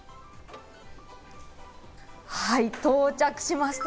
はい、到着しました。